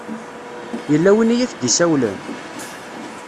Yella win i ak-d-isawlen?